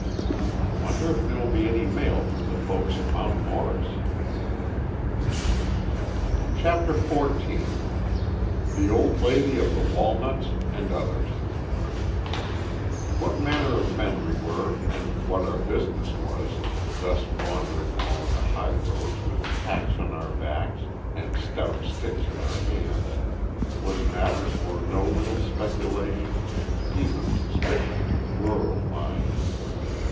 "I wonder if there will be any mail from the folk at Mount Morris." CHAPTER XIV THE OLD LADY OF THE WALNUTS AND OTHERS What manner of men we were and what our business was, thus wandering along the highroads with packs on our backs and stout sticks in our hands, was matter for no little speculation, and even suspicion, to the rural mind.